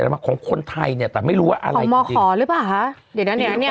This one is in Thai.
แต่มันของคนไทยเนี่ยแต่ไม่รู้ว่าอะไรจริงของมคหรือเปล่าฮะเดี๋ยวเนี่ย